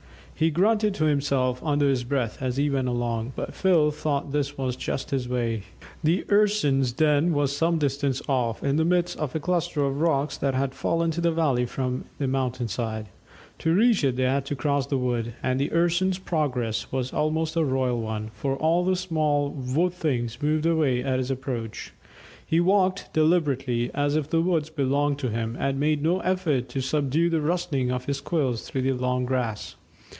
He grunted to himself under his breath as he went along, but Phil thought this was just his way. The Urson's den was some distance off, in the midst of a cluster of rocks that had fallen to the valley from the mountain side. To reach it they had to cross the wood, and the Urson's progress was almost a royal one, for all the small wood things moved away at his approach. He walked deliberately, as if the woods belonged to him, and made no effort to subdue the rustling of his quills through the long grass.